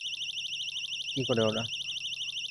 কী করে ওরা?